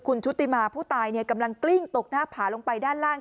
คุณชุติมาผู้ตายกำลังกลิ้งตกหน้าผาลงไปด้านล่าง